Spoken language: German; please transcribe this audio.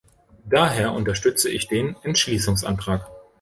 Daher unterstütze ich den Entschließungsantrag.